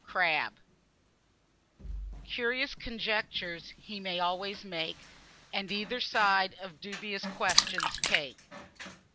CRABBE. "Curious conjectures he may always make, And either side of dubious questions take."